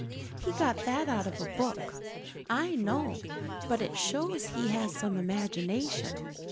He got that out of a book, I know; but it shows he has some imagination.